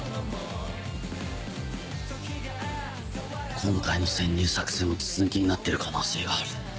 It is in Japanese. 今回の潜入作戦も筒抜けになっている可能性がある。